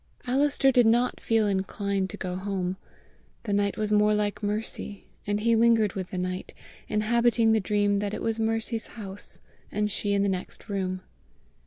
Alister did not feel inclined to go home. The night was more like Mercy, and he lingered with the night, inhabiting the dream that it was Mercy's house, and she in the next room.